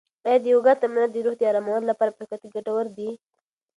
آیا د یوګا تمرینات د روح د ارامولو لپاره په حقیقت کې ګټور دي؟